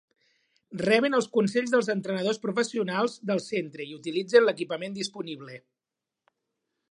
Reben els consells dels entrenadors professionals del Centre i utilitzen l'equipament disponible.